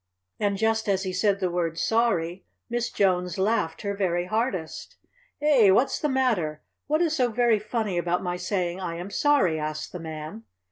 And, just as he said the word "sorry," Miss Jones laughed her very hardest. "Eh! What's the matter? What is so very funny about my saying I am sorry?" asked the Man.